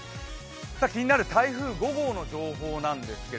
気になる台風５号の情報です。